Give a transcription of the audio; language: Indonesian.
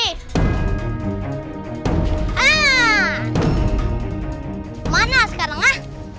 mau ke mana sekarang ah